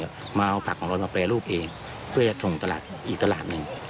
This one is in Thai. ก็มาเอาผักของเรามาแปรรูปเองเพื่อจะส่งตลาดอีกตลาดหนึ่ง